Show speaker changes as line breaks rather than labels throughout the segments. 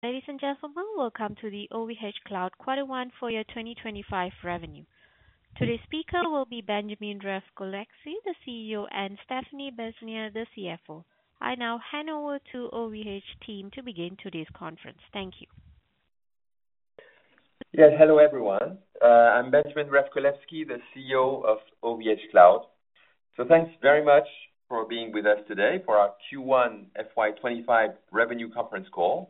Ladies and gentlemen, welcome to the OVHcloud Quarter One FY 2025 revenue. Today's speaker will be Benjamin Revcolevschi, the CEO, and Stéphanie Besnier, the CFO. I now hand over to the OVHcloud team to begin today's conference. Thank you.
Yes, hello everyone. I'm Benjamin Revcolevschi, the CEO of OVHcloud. So thanks very much for being with us today for our Q1 FY 2025 revenue conference call,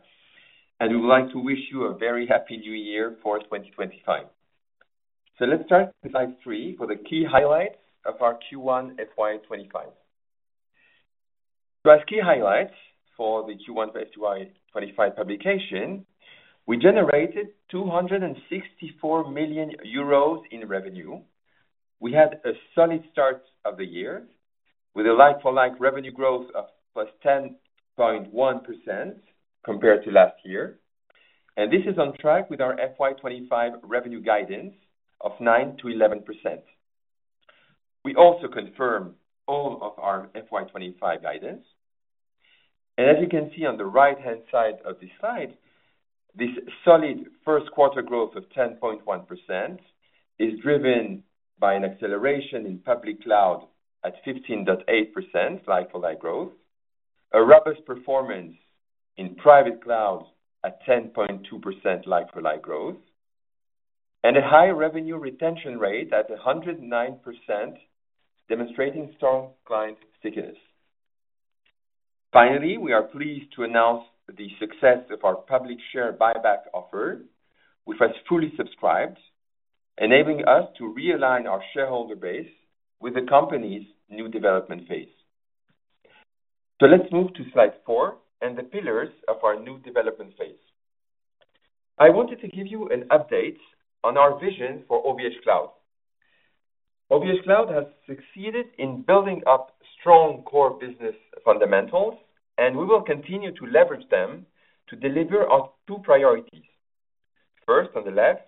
and we would like to wish you a very happy new year for 2025. So let's start with slide three for the key highlights of our Q1 FY 2025. As key highlights for the Q1 FY 2025 publication, we generated 264 million euros in revenue. We had a solid start of the year with a like-for-like revenue growth of plus 10.1% compared to last year, and this is on track with our FY 2025 revenue guidance of 9%-11%. We also confirmed all of our FY 2025 guidance, and as you can see on the right-hand side of the slide, this solid first quarter growth of 10.1% is driven by an acceleration in public cloud at 15.8% like-for-like growth, a robust performance in private cloud at 10.2% like-for-like growth, and a high revenue retention rate at 109%, demonstrating strong client stickiness. Finally, we are pleased to announce the success of our public share buyback offer which us fully subscribed, enabling us to realign our shareholder base with the company's new development phase. So let's move to slide four and the pillars of our new development phase. I wanted to give you an update on our vision for OVHcloud. OVHcloud has succeeded in building up strong core business fundamentals, and we will continue to leverage them to deliver our two priorities. First, on the left,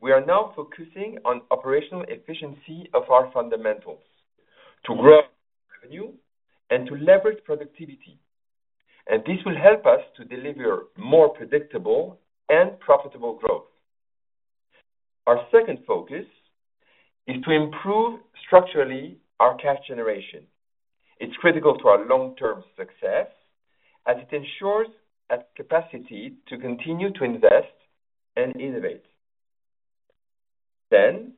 we are now focusing on operational efficiency of our fundamentals to grow revenue and to leverage productivity, and this will help us to deliver more predictable and profitable growth. Our second focus is to improve structurally our cash generation. It's critical to our long-term success as it ensures capacity to continue to invest and innovate. Then,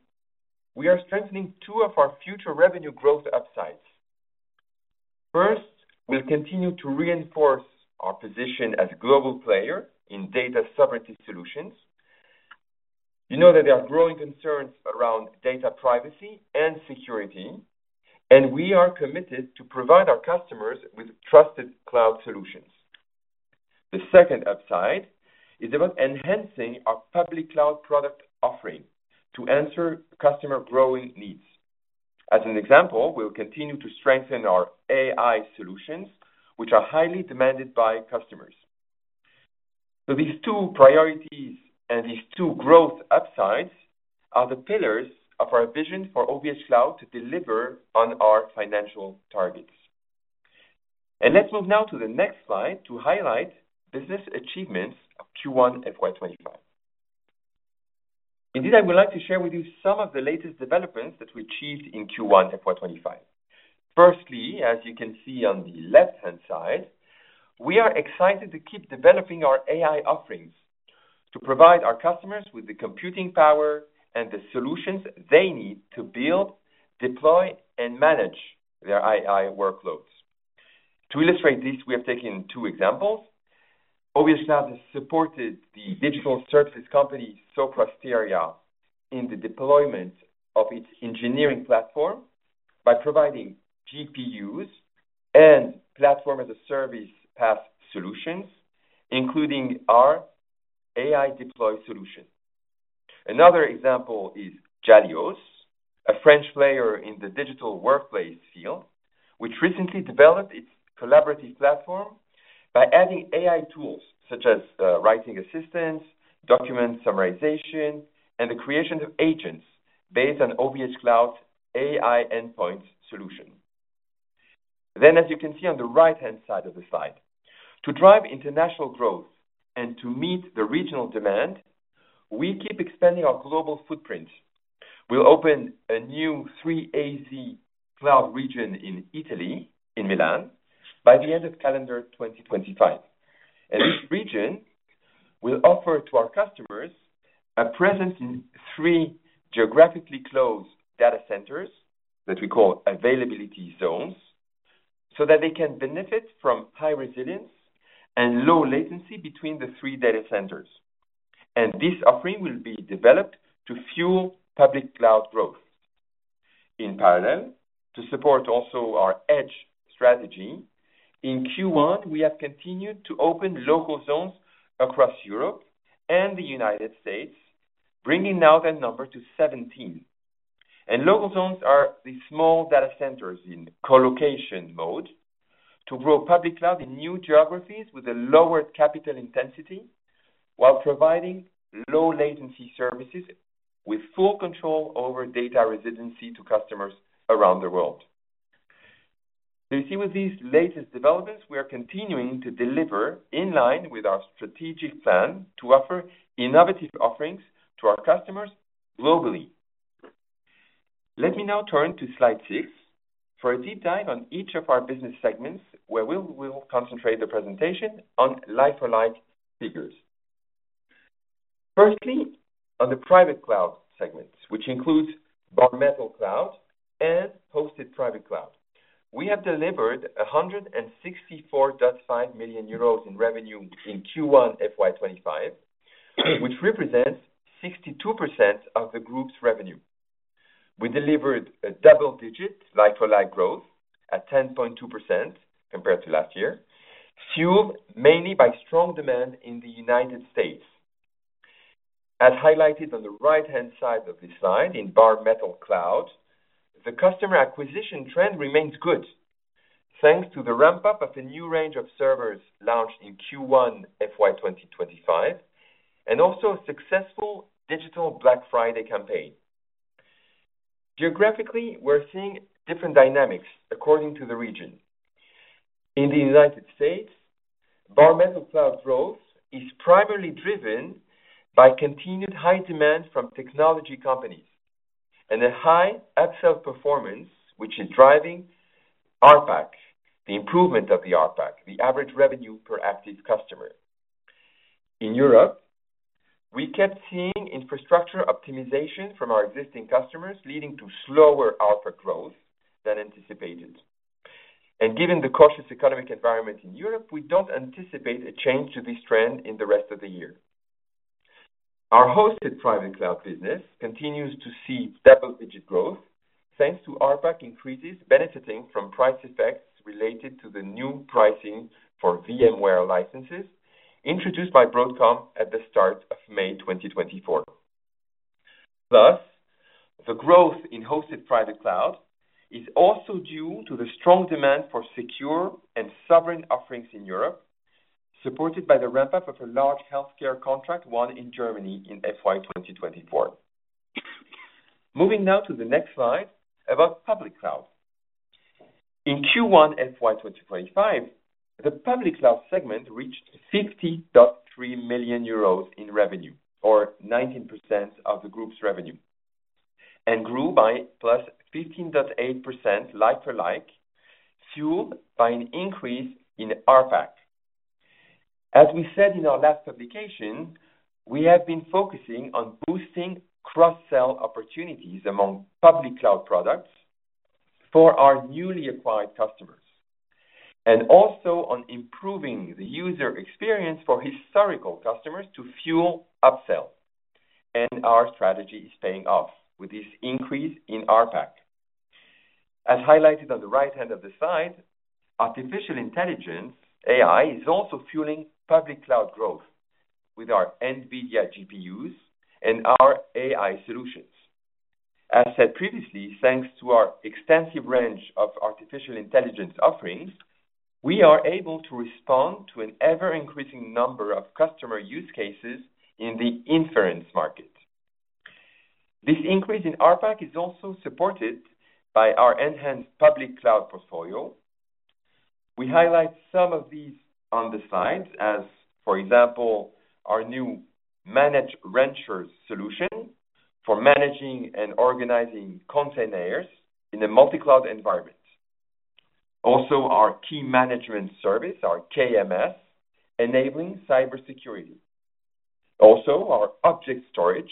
we are strengthening two of our future revenue growth upsides. First, we'll continue to reinforce our position as a global player in data sovereignty solutions. You know that there are growing concerns around data privacy and security, and we are committed to provide our customers with trusted cloud solutions. The second upside is about enhancing our public cloud product offering to answer customer growing needs. As an example, we'll continue to strengthen our AI solutions, which are highly demanded by customers. So these two priorities and these two growth upsides are the pillars of our vision for OVHcloud to deliver on our financial targets. And let's move now to the next slide to highlight business achievements of Q1 FY 2025. Indeed, I would like to share with you some of the latest developments that we achieved in Q1 FY 2025. Firstly, as you can see on the left-hand side, we are excited to keep developing our AI offerings to provide our customers with the computing power and the solutions they need to build, deploy, and manage their AI workloads. To illustrate this, we have taken two examples. OVHcloud has supported the digital services company Sopra Steria in the deployment of its engineering platform by providing GPUs and Platform as a Service PaaS solutions, including our AI Deploy solution. Another example is Jalios, a French player in the digital workplace field, which recently developed its collaborative platform by adding AI tools such as writing assistance, document summarization, and the creation of agents based on OVHcloud's AI Endpoints solution. Then, as you can see on the right-hand side of the slide, to drive international growth and to meet the regional demand, we keep expanding our global footprint. We'll open a new 3-AZ cloud region in Italy, in Milan, by the end of calendar 2025, and this region will offer to our customers a presence in three geographically close data centers that we call availability zones so that they can benefit from high resilience and low latency between the three data centers. And this offering will be developed to fuel public cloud growth. In parallel, to support also our edge strategy, in Q1, we have continued to open Local Zones across Europe and the United States, bringing now that number to 17, and Local Zones are the small data centers in co-location mode to grow public cloud in new geographies with a lowered capital intensity while providing low-latency services with full control over data residency to customers around the world, so you see, with these latest developments, we are continuing to deliver in line with our strategic plan to offer innovative offerings to our customers globally. Let me now turn to Slide 6 for a deep dive on each of our business segments, where we will concentrate the presentation on like-for-like figures. Firstly, on the private cloud segments, which includes Bare Metal Cloud and Hosted Private Cloud, we have delivered 164.5 million euros in revenue in Q1 FY 2025, which represents 62% of the group's revenue. We delivered a double-digit like-for-like growth at 10.2% compared to last year, fueled mainly by strong demand in the United States. As highlighted on the right-hand side of this slide in Bare Metal Cloud, the customer acquisition trend remains good thanks to the ramp-up of a new range of servers launched in Q1 FY 2025 and also a successful digital Black Friday campaign. Geographically, we're seeing different dynamics according to the region. In the United States, Bare Metal Cloud growth is primarily driven by continued high demand from technology companies and a high upsell performance, which is driving RPAC, the improvement of the RPAC, the average revenue per active customer. In Europe, we kept seeing infrastructure optimization from our existing customers, leading to slower RPAC growth than anticipated, and given the cautious economic environment in Europe, we don't anticipate a change to this trend in the rest of the year. Our Hosted Private Cloud business continues to see double-digit growth thanks to RPAC increases benefiting from price effects related to the new pricing for VMware licenses introduced by Broadcom at the start of May 2024. Plus, the growth in Hosted Private Cloud is also due to the strong demand for secure and sovereign offerings in Europe, supported by the ramp-up of a large healthcare contract won in Germany in FY 2024. Moving now to the next slide about public cloud. In Q1 FY 2025, the public cloud segment reached 50.3 million euros in revenue, or 19% of the group's revenue, and grew by plus 15.8% like-for-like, fueled by an increase in RPAC. As we said in our last publication, we have been focusing on boosting cross-sell opportunities among public cloud products for our newly acquired customers and also on improving the user experience for historical customers to fuel upsell, and our strategy is paying off with this increase in RPAC. As highlighted on the right-hand of the slide, artificial intelligence, AI, is also fueling public cloud growth with our NVIDIA GPUs and our AI solutions. As said previously, thanks to our extensive range of artificial intelligence offerings, we are able to respond to an ever-increasing number of customer use cases in the inference market. This increase in RPAC is also supported by our enhanced public cloud portfolio. We highlight some of these on the slides, as for example, our new Managed Rancher solution for managing and organizing containers in a multi-cloud environment. Also, our key management service, our KMS, enabling cybersecurity. Also, our object storage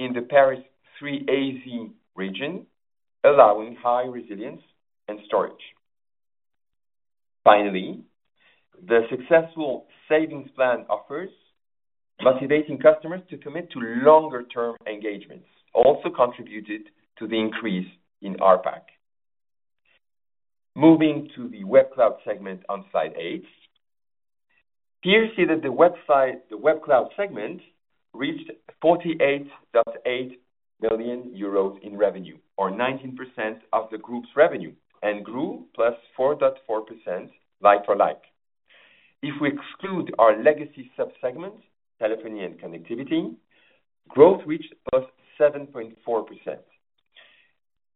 in the Paris 3-AZ region, allowing high resilience and storage. Finally, the successful Savings Plans offers, motivating customers to commit to longer-term engagements, also contributed to the increase in RPAC. Moving to the Web Cloud segment on slide eight, here you see that the Web Cloud segment reached 48.8 million euros in revenue, or 19% of the group's revenue, and grew plus 4.4% like-for-like. If we exclude our legacy subsegment, Telephony & Connectivity, growth reached plus 7.4%.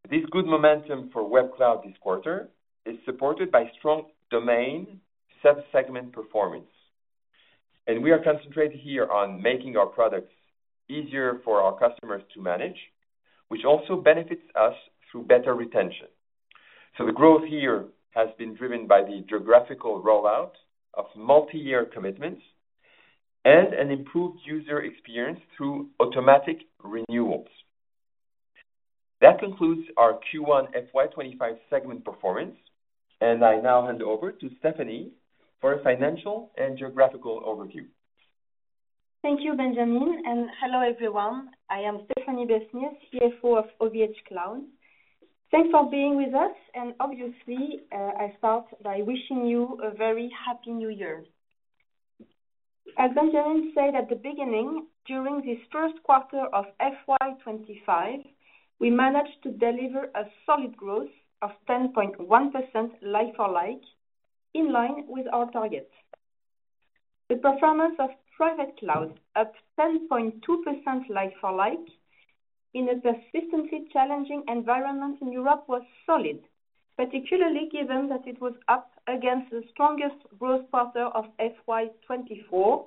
This good momentum for Web Cloud this quarter is supported by strong domain subsegment performance. And we are concentrated here on making our products easier for our customers to manage, which also benefits us through better retention. So the growth here has been driven by the geographical rollout of multi-year commitments and an improved user experience through automatic renewals. That concludes our Q1 FY 2025 segment performance, and I now hand over to Stéphanie for a financial and geographical overview.
Thank you, Benjamin, and hello everyone. I am Stéphanie Besnier, CFO of OVHcloud. Thanks for being with us, and obviously, I start by wishing you a very happy New Year. As Benjamin said at the beginning, during this first quarter of FY 2025, we managed to deliver a solid growth of 10.1% like-for-like in line with our target. The performance of private cloud up 10.2% like-for-like in a persistently challenging environment in Europe was solid, particularly given that it was up against the strongest growth quarter of FY 2024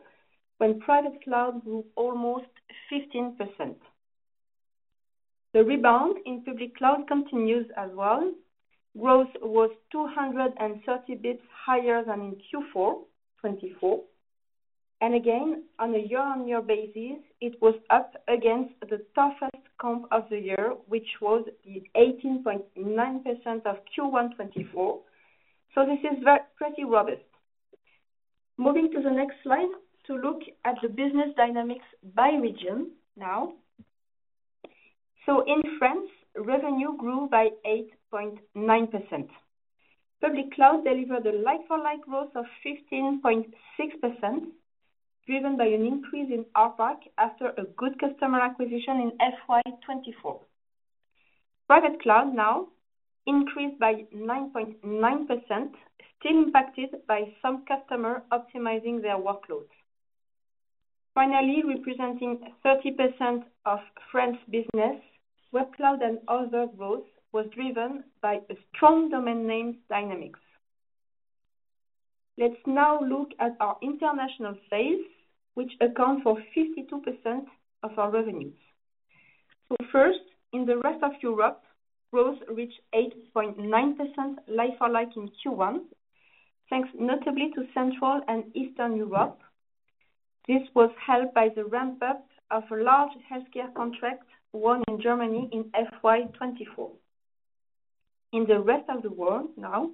when private cloud grew almost 15%. The rebound in public cloud continues as well. Growth was 230 basis points higher than in Q4 2024. And again, on a year-on-year basis, it was up against the toughest comp of the year, which was the 18.9% of Q1 2024. So this is pretty robust. Moving to the next slide to look at the business dynamics by region now. So in France, revenue grew by 8.9%. Public cloud delivered a like-for-like growth of 15.6%, driven by an increase in RPAC after a good customer acquisition in FY 2024. Private cloud now increased by 9.9%, still impacted by some customers optimizing their workloads. Finally, representing 30% of France's business, web cloud and other growth was driven by strong domain name dynamics. Let's now look at our international sales, which account for 52% of our revenues. So first, in the rest of Europe, growth reached 8.9% like-for-like in Q1, thanks notably to Central and Eastern Europe. This was helped by the ramp-up of a large healthcare contract won in Germany in FY 2024. In the rest of the world now,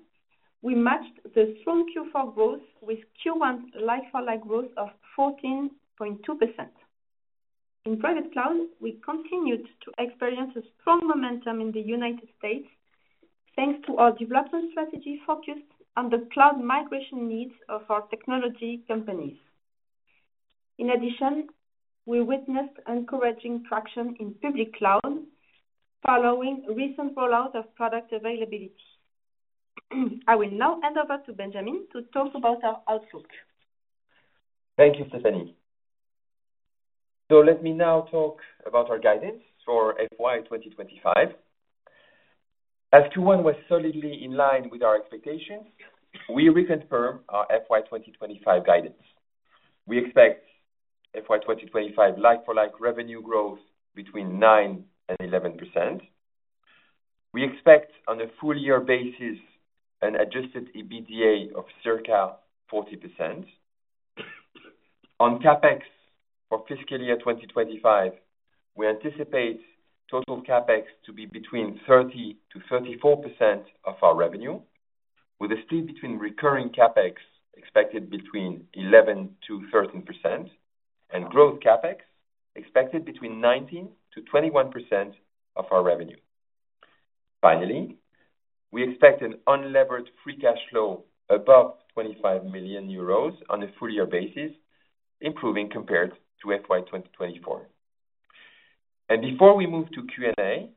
we matched the strong Q4 growth with Q1 like-for-like growth of 14.2%. In private cloud, we continued to experience a strong momentum in the United States thanks to our development strategy focused on the cloud migration needs of our technology companies. In addition, we witnessed encouraging traction in public cloud following recent rollout of product availability. I will now hand over to Benjamin to talk about our outlook.
Thank you, Stéphanie. So let me now talk about our guidance for FY 2025. As Q1 was solidly in line with our expectations, we reconfirmed our FY2025 guidance. We expect FY 2025 like-for-like revenue growth between 9%-11%. We expect on a full-year basis an adjusted EBITDA of circa 40%. On CapEx for fiscal year 2025, we anticipate total CapEx to be between 30%-34% of our revenue, with a split between recurring CapEx expected between 11%-13% and growth CapEx expected between 19%-21% of our revenue. Finally, we expect an unlevered free cash flow above 25 million euros on a full-year basis, improving compared to FY2024. And before we move to Q&A,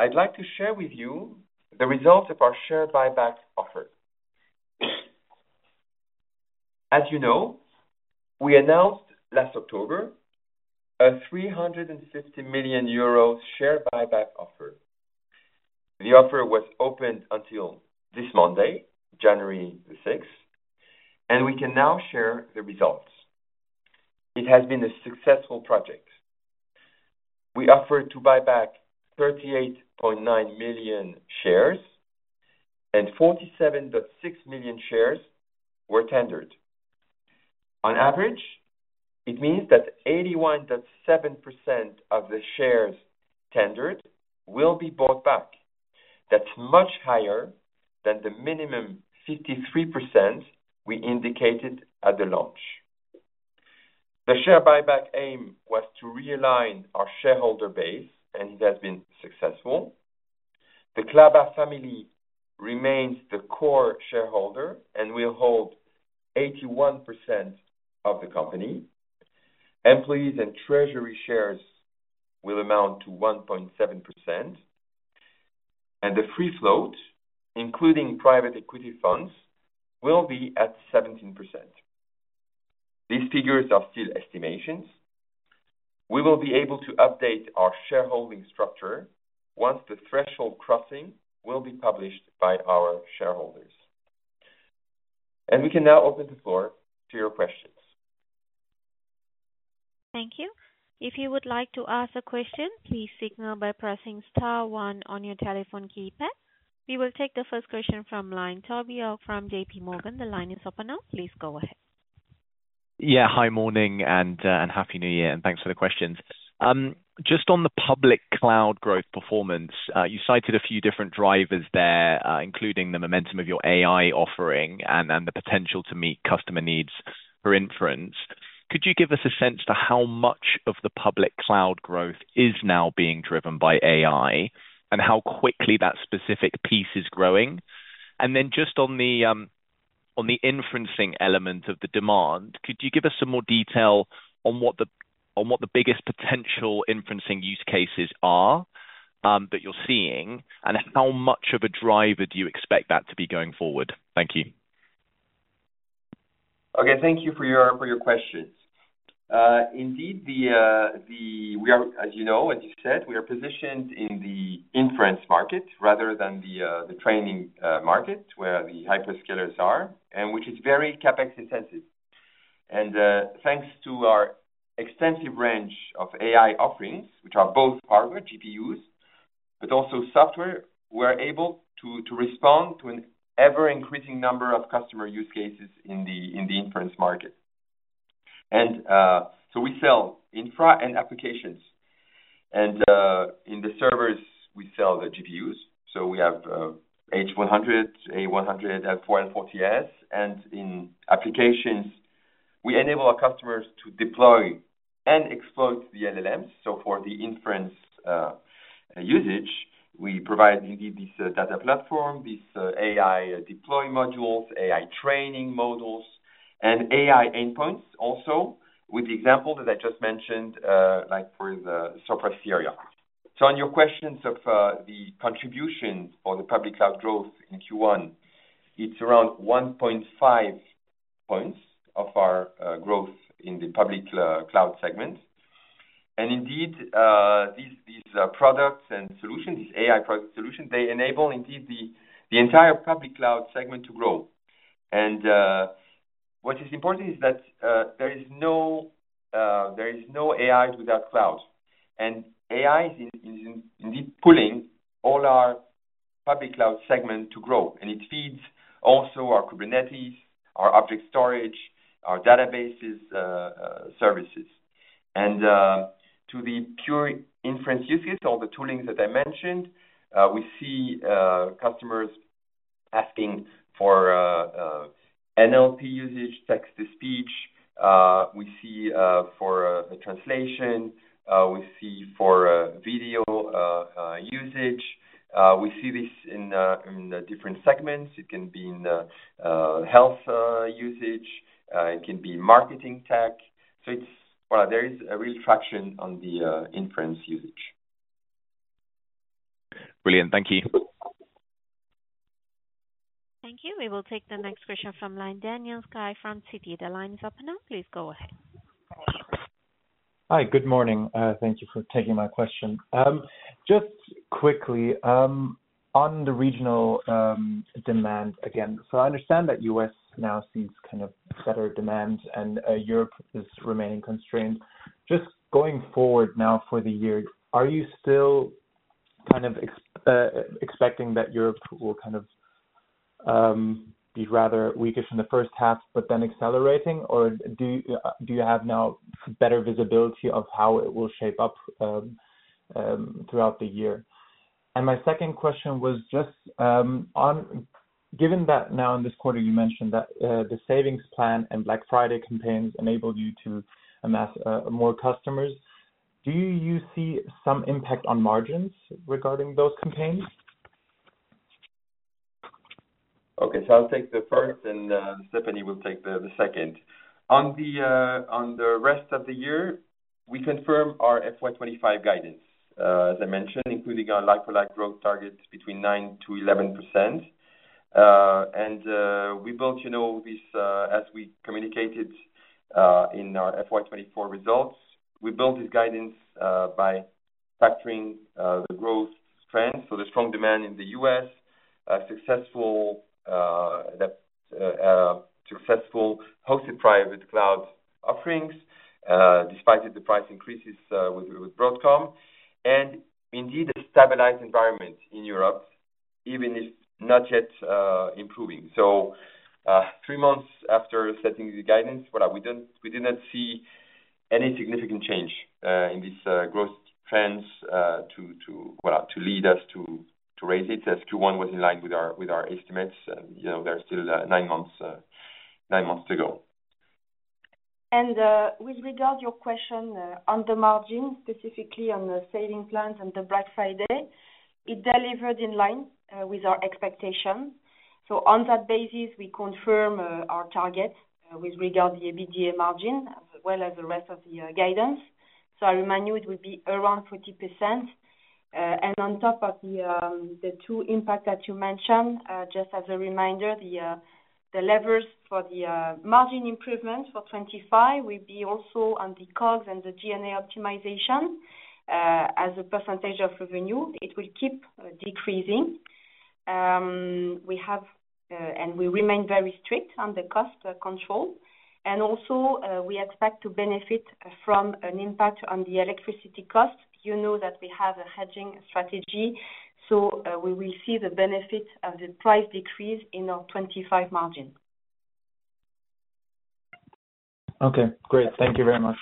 I'd like to share with you the results of our share buyback offer. As you know, we announced last October a 350 million euro share buyback offer. The offer was opened until this Monday, January the 6th, and we can now share the results. It has been a successful project. We offered to buy back 38.9 million shares, and 47.6 million shares were tendered. On average, it means that 81.7% of the shares tendered will be bought back. That's much higher than the minimum 53% we indicated at the launch. The share buyback aim was to realign our shareholder base, and it has been successful. The Klaba family remains the core shareholder and will hold 81% of the company. Employees and treasury shares will amount to 1.7%, and the free float, including private equity funds, will be at 17%. These figures are still estimations. We will be able to update our shareholding structure once the threshold crossing will be published by our shareholders. We can now open the floor to your questions.
Thank you. If you would like to ask a question, please signal by pressing star one on your telephone keypad. We will take the first question from line Toby from J.P. Morgan. The line is open now. Please go ahead. Yeah, hi, good morning and happy New Year, and thanks for the questions. Just on the public cloud growth performance, you cited a few different drivers there, including the momentum of your AI offering and the potential to meet customer needs for inference. Could you give us a sense to how much of the public cloud growth is now being driven by AI and how quickly that specific piece is growing? And then just on the inferencing element of the demand, could you give us some more detail on what the biggest potential inferencing use cases are that you're seeing, and how much of a driver do you expect that to be going forward? Thank you.
Okay, thank you for your questions. Indeed, as you know, as you said, we are positioned in the inference market rather than the training market where the hyperscalers are, and which is very CapEx intensive. And thanks to our extensive range of AI offerings, which are both hardware, GPUs, but also software, we're able to respond to an ever-increasing number of customer use cases in the inference market. And so we sell infra and applications. And in the servers, we sell the GPUs. So we have H100, A100, L40S. And in applications, we enable our customers to deploy and exploit the LLMs. So for the inference usage, we provide indeed this data platform, these AI Deploy modules, AI Training models, and AI Endpoints also with the example that I just mentioned, like for the Sopra Steria. So on your questions of the contribution for the public cloud growth in Q1, it's around 1.5 points of our growth in the public cloud segment. And indeed, these products and solutions, these AI product solutions, they enable indeed the entire public cloud segment to grow. And what is important is that there is no AI without cloud. And AI is indeed pulling all our public cloud segment to grow, and it feeds also our Kubernetes, our object storage, our databases services. And to the pure inference use case, all the toolings that I mentioned, we see customers asking for NLP usage, text-to-speech. We see for the translation. We see for video usage. We see this in different segments. It can be in health usage. It can be marketing tech. So there is a real traction on the inference usage. Brilliant. Thank you.
Thank you. We will take the next question from line Daniel Kerven from Citi. The line is open now. Please go ahead. Hi, good morning. Thank you for taking my question. Just quickly, on the regional demand again, so I understand that U.S. now sees kind of better demand and Europe is remaining constrained. Just going forward now for the year, are you still kind of expecting that Europe will kind of be rather weakish in the first half, but then accelerating, or do you have now better visibility of how it will shape up throughout the year? And my second question was just given that now in this quarter, you mentioned that the Savings Plans and Black Friday campaigns enabled you to amass more customers, do you see some impact on margins regarding those campaigns?
Okay, so I'll take the first, and Stéphanie will take the second. On the rest of the year, we confirmed our FY 2025 guidance, as I mentioned, including our like-for-like growth targets between 9%-11%. And we built this, as we communicated in our FY 2024 results, we built this guidance by factoring the growth trends. So the strong demand in the U.S., successful Hosted Private Cloud offerings, despite the price increases with Broadcom, and indeed a stabilized environment in Europe, even if not yet improving. So three months after setting the guidance, we did not see any significant change in these growth trends to lead us to raise it as Q1 was in line with our estimates. There are still nine months to go.
And with regard to your question on the margin, specifically on the Savings Plans and the Black Friday, it delivered in line with our expectations. So on that basis, we confirmed our target with regard to the EBITDA margin as well as the rest of the guidance. So I remind you, it would be around 40%. And on top of the two impacts that you mentioned, just as a reminder, the levers for the margin improvement for 2025 will be also on the COGS and the G&A optimization as a percentage of revenue. It will keep decreasing. We have and we remain very strict on the cost control. And also, we expect to benefit from an impact on the electricity cost. You know that we have a hedging strategy, so we will see the benefit of the price decrease in our 2025 margin. Okay, great. Thank you very much.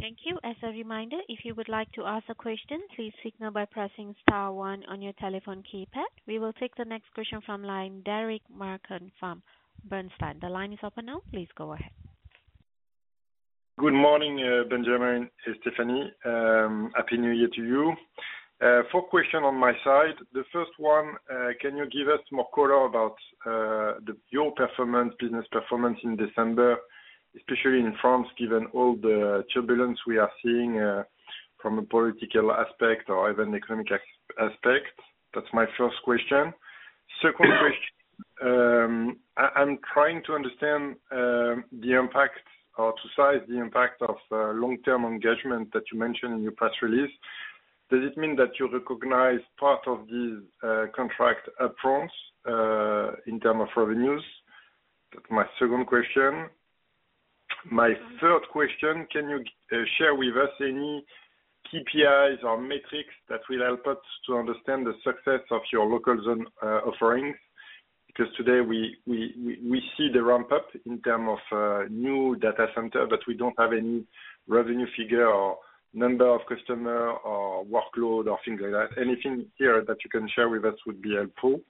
Thank you. As a reminder, if you would like to ask a question, please signal by pressing star one on your telephone keypad. We will take the next question from line Derric Marcon from Bernstein. The line is open now. Please go ahead.
Good morning, Benjamin and Stéphanie. Happy New Year to you. Four questions on my side. The first one, can you give us more color about your performance, business performance in December, especially in France, given all the turbulence we are seeing from a political aspect or even economic aspect? That's my first question. Second question, I'm trying to understand the impact or to size the impact of long-term engagement that you mentioned in your press release. Does it mean that you recognize part of this contract upfront in terms of revenues? That's my second question. My third question, can you share with us any KPIs or metrics that will help us to understand the success of your Local Zones offerings? Because today, we see the ramp-up in terms of new data center, but we don't have any revenue figure or number of customers or workload or things like that. Anything here that you can share with us would be helpful.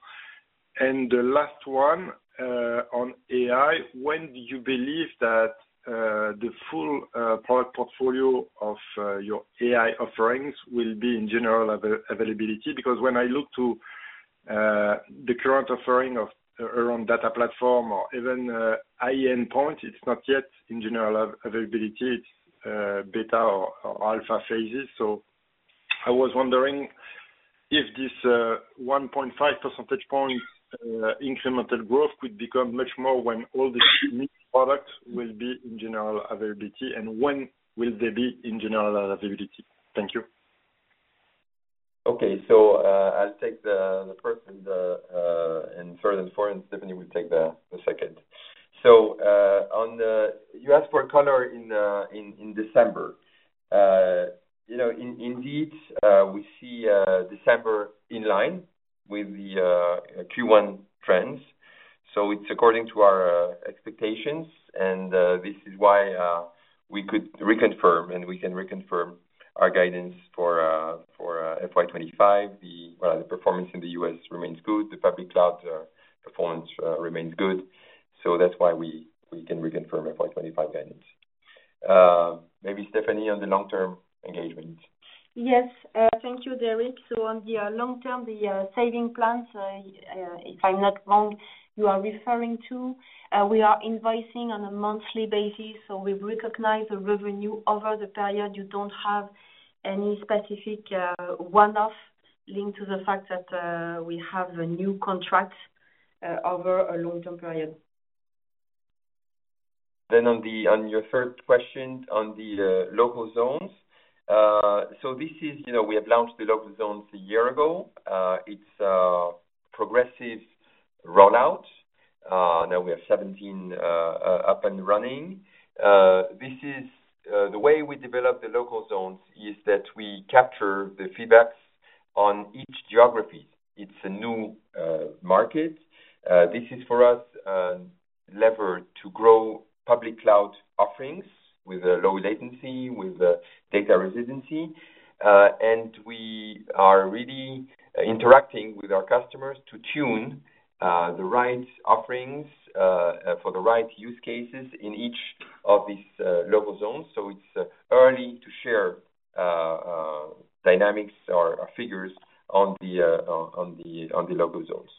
And the last one on AI, when do you believe that the full product portfolio of your AI offerings will be in general availability? Because when I look to the current offering of our own data platform or even AI endpoint, it's not yet in general availability. It's beta or alpha phases. So I was wondering if this 1.5 percentage point incremental growth could become much more when all the new products will be in general availability, and when will they be in general availability? Thank you.
Okay, so I'll take the first, and third, and fourth, and Stéphanie will take the second. So you asked for color in December. Indeed, we see December in line with the Q1 trends. So it's according to our expectations, and this is why we could reconfirm, and we can reconfirm our guidance for FY 2025. The performance in the U.S. remains good. The public cloud performance remains good. So that's why we can reconfirm FY 2025 guidance. Maybe Stéphanie on the long-term engagement.
Yes, thank you, Derric. So on the long-term, the Savings Plans, if I'm not wrong, you are referring to, we are invoicing on a monthly basis, so we recognize the revenue over the period. You don't have any specific one-off linked to the fact that we have a new contract over a long-term period.
Then on your third question on the Local Zones, so this is we have launched the Local Zones a year ago. It's a progressive rollout. Now we have 17 up and running. The way we develop the Local Zones is that we capture the feedbacks on each geography. It's a new market. This is, for us, a lever to grow public cloud offerings with a low latency, with data resiliency. We are really interacting with our customers to tune the right offerings for the right use cases in each of these Local Zones. It's early to share dynamics or figures on the Local Zones.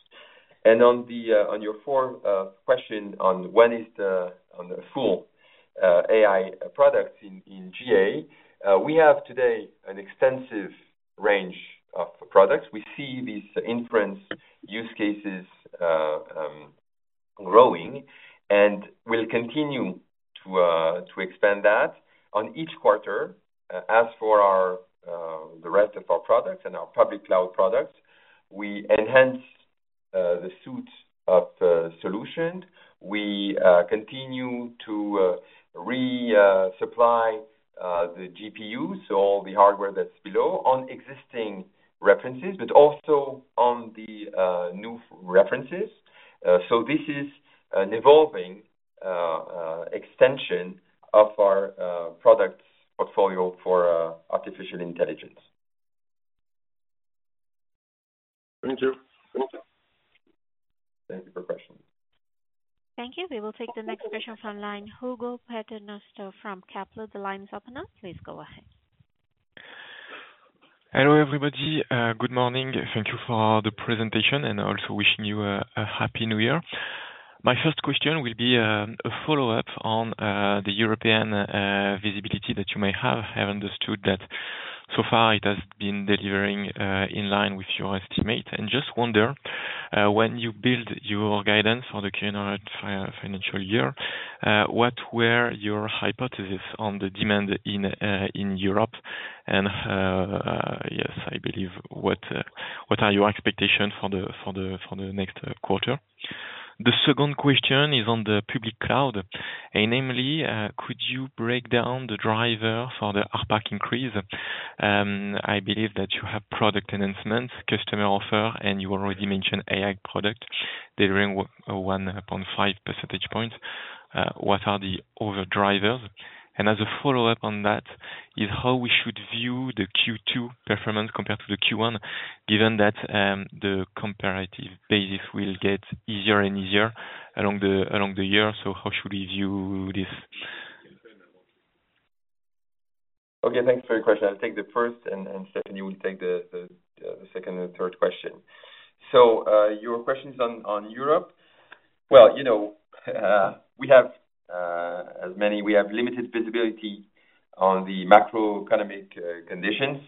On your fourth question on when is the full AI products in GA, we have today an extensive range of products. We see these inference use cases growing, and we'll continue to expand that. On each quarter, as for the rest of our products and our Public Cloud products, we enhance the suite of solutions. We continue to resupply the GPUs, so all the hardware that's below on existing references, but also on the new references. This is an evolving extension of our product portfolio for artificial intelligence.
Thank you.
Thank you.
Thank you for questioning. Thank you. We will take the next question from Hugo Paternoster from Kepler Cheuvreux. The line is open now. Please go ahead.
Hello everybody. Good morning. Thank you for the presentation and also wishing you a happy New Year. My first question will be a follow-up on the European visibility that you may have. I have understood that so far it has been delivering in line with your estimates, and just wonder, when you build your guidance for the current financial year, what were your hypotheses on the demand in Europe, and yes, I believe, what are your expectations for the next quarter? The second question is on the public cloud. Namely, could you break down the driver for the RPAC increase? I believe that you have product enhancements, customer offer, and you already mentioned AI product delivering 1.5 percentage points. What are the other drivers? As a follow-up on that, how should we view the Q2 performance compared to the Q1, given that the comparative basis will get easier and easier along the year? How should we view this?
Okay, thanks for your question. I'll take the first, and Stéphanie will take the second and third question. Your question is on Europe. We have limited visibility on the macroeconomic conditions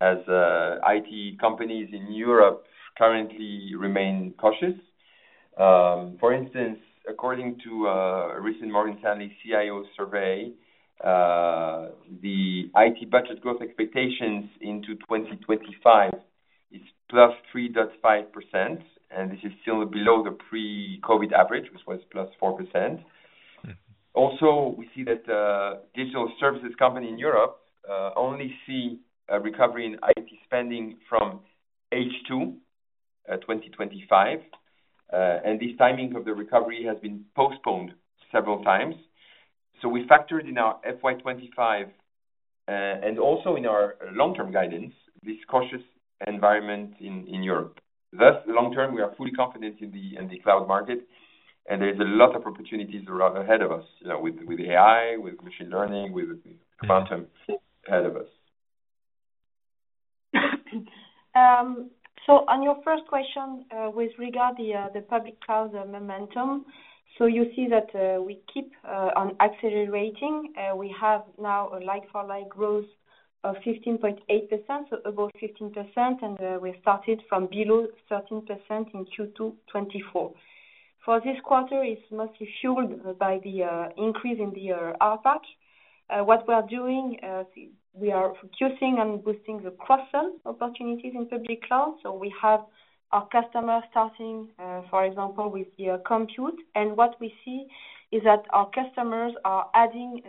as IT companies in Europe currently remain cautious. For instance, according to a recent Morgan Stanley CIO survey, the IT budget growth expectations into 2025 is +3.5%, and this is still below the pre-COVID average, which was +4%. Also, we see that digital services companies in Europe only see a recovery in IT spending from H2 2025, and this timing of the recovery has been postponed several times. We factored in our FY 2025 and also in our long-term guidance this cautious environment in Europe. Thus, long-term, we are fully confident in the cloud market, and there's a lot of opportunities ahead of us with AI, with machine learning, with quantum ahead of us.
On your first question with regard to the public cloud momentum, you see that we keep on accelerating. We have now a like-for-like growth of 15.8%, so above 15%, and we started from below 13% in Q2 2024. For this quarter, it's mostly fueled by the increase in the RPAC. What we are doing, we are fusing and boosting the cross-sell opportunities in public cloud. We have our customers starting, for example, with the compute, and what we see is that our customers are adding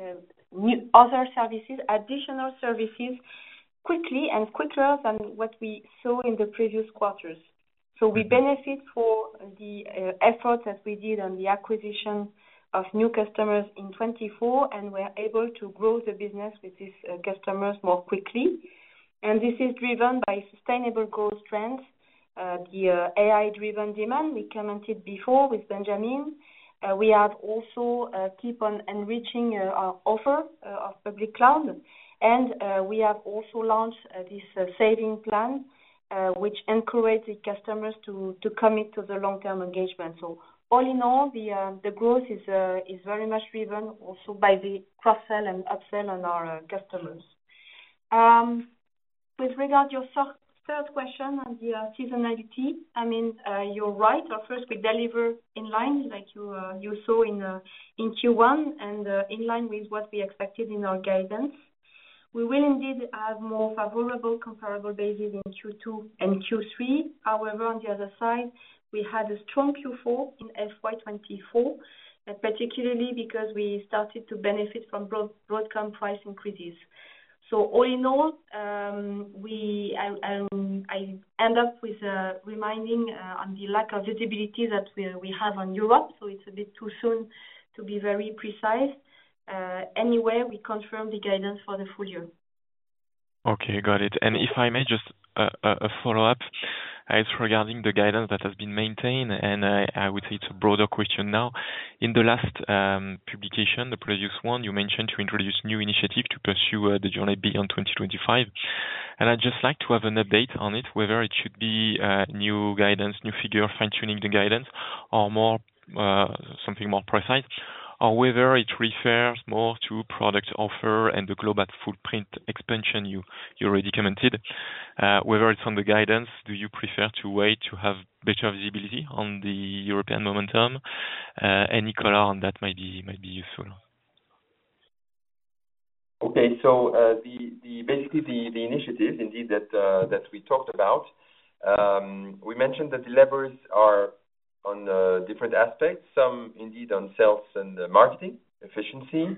other services, additional services quickly and quicker than what we saw in the previous quarters. We benefit from the efforts that we did on the acquisition of new customers in 2024, and we're able to grow the business with these customers more quickly. And this is driven by sustainable growth trends, the AI-driven demand. We commented before with Benjamin. We have also kept on enriching our offer of Public Cloud, and we have also launched this Savings Plans, which encourages customers to commit to the long-term engagement. So all in all, the growth is very much driven also by the cross-sell and upsell on our customers. With regard to your third question on the seasonality, I mean, you're right. First, we deliver in line like you saw in Q1 and in line with what we expected in our guidance. We will indeed have more favorable comparable bases in Q2 and Q3.However, on the other side, we had a strong Q4 in FY 2024, particularly because we started to benefit from Broadcom price increases. So all in all, I end up with reminding on the lack of visibility that we have on Europe, so it's a bit too soon to be very precise. Anyway, we confirm the guidance for the full year.
Okay, got it. And if I may, just a follow-up regarding the guidance that has been maintained, and I would say it's a broader question now. In the last publication, the previous one, you mentioned to introduce new initiatives to pursue the journey beyond 2025. And I'd just like to have an update on it, whether it should be new guidance, new figure, fine-tuning the guidance, or something more precise, or whether it refers more to product offer and the global footprint expansion you already commented. Whether it's on the guidance, do you prefer to wait to have better visibility on the European momentum? Any color on that might be useful.
Okay, so basically, the initiatives indeed that we talked about, we mentioned that the levers are on different aspects, some indeed on sales and marketing efficiency.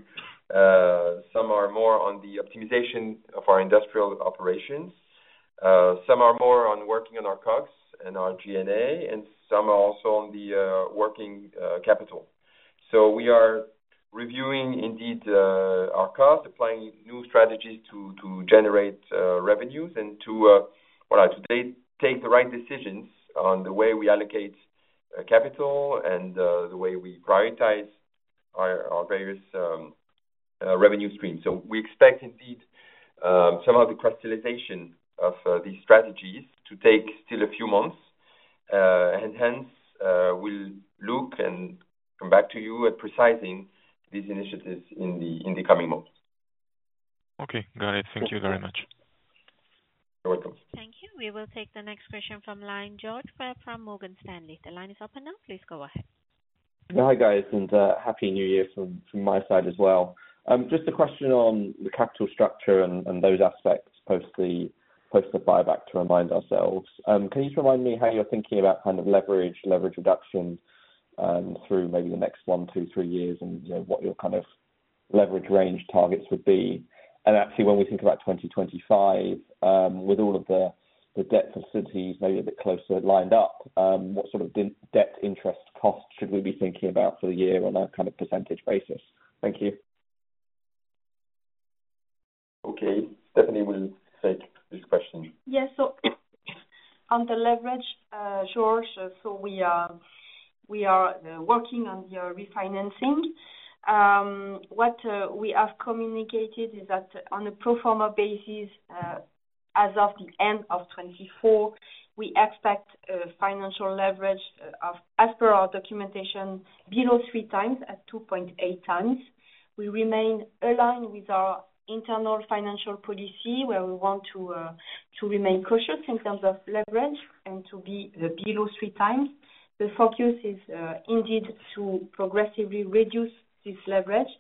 Some are more on the optimization of our industrial operations. Some are more on working on our COGS and our G&A, and some are also on the working capital. So we are reviewing indeed our COGS, applying new strategies to generate revenues and to, well, to take the right decisions on the way we allocate capital and the way we prioritize our various revenue streams. So we expect indeed some of the crystallization of these strategies to take still a few months, and hence, we'll look and come back to you with precision on these initiatives in the coming months.
Okay, got it. Thank you very much.
You're welcome.
Thank you. We will take the next question from line George from Morgan Stanley. The line is open now. Please go ahead. Hi guys, and happy New Year from my side as well. Just a question on the capital structure and those aspects post the buyback to remind ourselves. Can you just remind me how you're thinking about kind of leverage, leverage reduction through maybe the next one, two, three years and what your kind of leverage range targets would be? And actually, when we think about 2025, with all of the debt facilities maybe a bit closer lined up, what sort of debt interest costs should we be thinking about for the year on a kind of percentage basis? Thank you.
Okay, Stéphanie will take this question.
Yes, so on the leverage, George, so we are working on the refinancing. What we have communicated is that on a pro forma basis, as of the end of 2024, we expect financial leverage as per our documentation below three times at 2.8x. We remain aligned with our internal financial policy where we want to remain cautious in terms of leverage and to be below 3x. The focus is indeed to progressively reduce this leverage.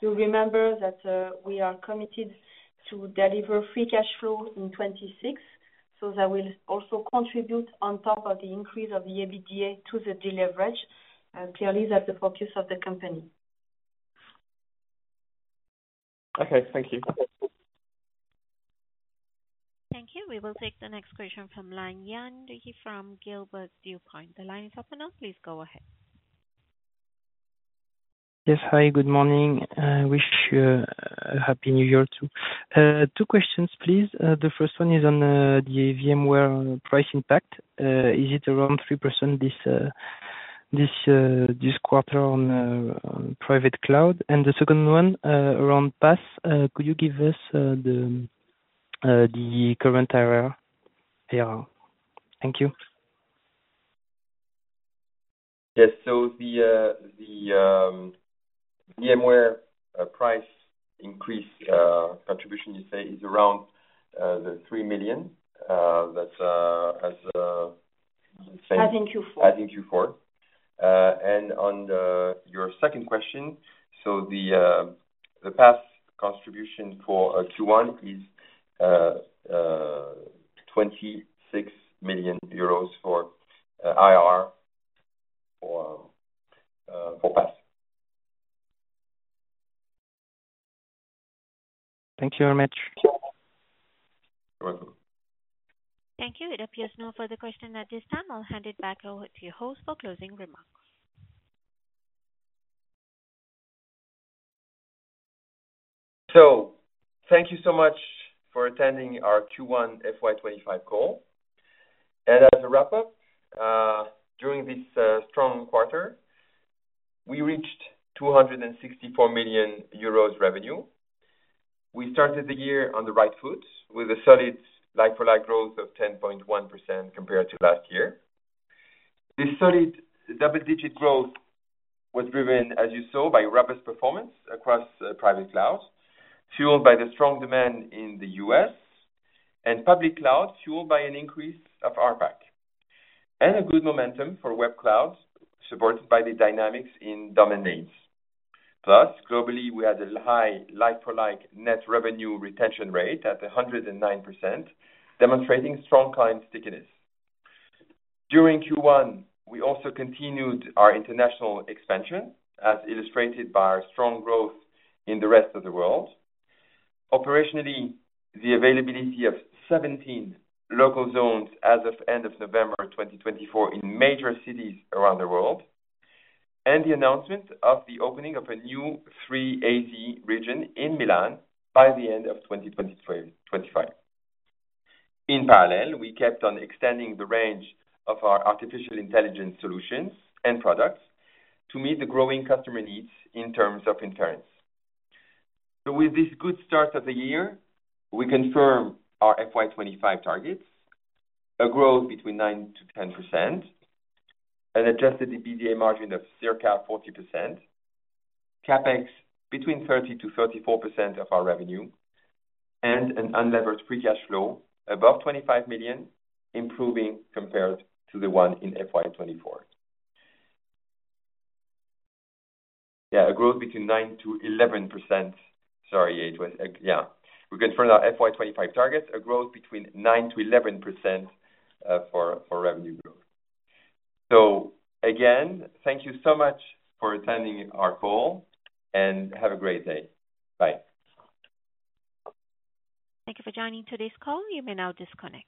You remember that we are committed to deliver free cash flow in 2026, so that will also contribute on top of the increase of the EBITDA to the deleverage. Clearly, that's the focus of the company. Okay, thank you.
Thank you. We will take the next question from line Yan Li from Gilbert Dupont. The line is open now. Please go ahead. Yes, hi, good morning. I wish you a happy New Year too. Two questions, please. The first one is on the VMware price impact. Is it around 3% this quarter on private cloud? And the second one around PaaS, could you give us the current ARR? Thank you.
Yes, so the VMware price increase contribution, you say, is around the 3 million. That's as in Q4. And on your second question, so the PaaS contribution for Q1 is EUR 26 million for ARR for PaaS. Thank you very much. You're welcome.
Thank you. It appears no further questions at this time. I'll hand it back over to your host for closing remarks.
So thank you so much for attending our Q1 FY 2025 call. And as a wrap-up, during this strong quarter, we reached 264 million euros revenue. We started the year on the right foot with a solid like-for-like growth of 10.1% compared to last year. This solid double-digit growth was driven, as you saw, by private cloud performance, fueled by the strong demand in the U.S., and Public Cloud fueled by an increase of RPAC, and a good momentum for Web Cloud supported by the dynamics in domain names. Plus, globally, we had a high like-for-like net revenue retention rate at 109%, demonstrating strong client stickiness. During Q1, we also continued our international expansion, as illustrated by our strong growth in the rest of the world. Operationally, the availability of 17 Local Zones as of end of November 2024 in major cities around the world, and the announcement of the opening of a new 3-AZ region in Milan by the end of 2025. In parallel, we kept on extending the range of our artificial intelligence solutions and products to meet the growing customer needs in terms of inference. With this good start of the year, we confirm our FY 2025 targets, a growth between 9%-10%, an Adjusted EBITDA margin of circa 40%, CapEx between 30%-34% of our revenue, and an unlevered free cash flow above 25 million, improving compared to the one in FY 2024. Yeah, a growth between 9%-11%. Sorry, yeah, we confirmed our FY 2025 targets, a growth between 9%-11% for revenue growth. So again, thank you so much for attending our call, and have a great day. Bye.
Thank you for joining today's call. You may now disconnect.